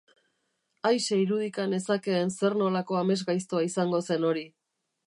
Aise irudika nezakeen zer-nolako amesgaiztoa izango zen hori.